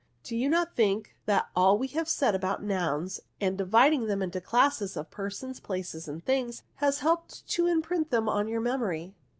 Do you not think that all we have said about nouns, and the dividing them into classes of persons, places, and things, has helped to imprint them on your memory